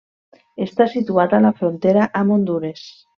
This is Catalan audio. Està situat a la frontera amb Hondures.